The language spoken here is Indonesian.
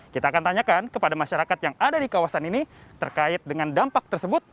kita akan tanyakan kepada masyarakat yang ada di kawasan ini terkait dengan dampak tersebut